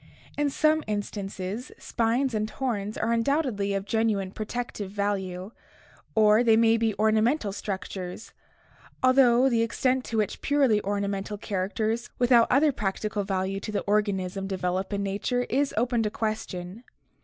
In some instances spines and horns are undoubtedly of genuine protective value, or they may be ornamental structures, although the extent to which purely ornamental characters without other practical value to the organism develop in nature is open to question.